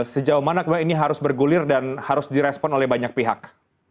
sejauh mana ini harus bergulir dan harus direspon oleh banyak pihak